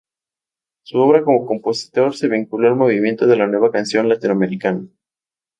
Su obra como compositor se vinculó al movimiento de la nueva canción latinoamericana.